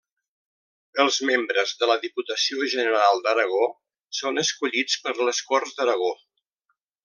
Els membres de la Diputació General d'Aragó són escollits per les Corts d'Aragó.